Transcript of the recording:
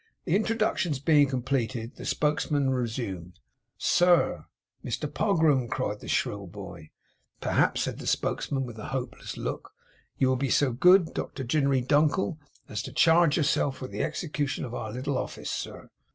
The introductions being completed, the spokesman resumed. 'Sir!' 'Mr Pogram!' cried the shrill boy. 'Perhaps,' said the spokesman, with a hopeless look, 'you will be so good, Dr. Ginery Dunkle, as to charge yourself with the execution of our little office, sir?